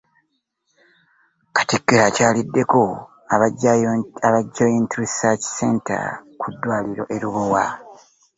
Katikkiro akyaliddeko aba Joint Research Center ku ddwaliro e Lubowa